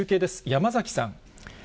山崎さん。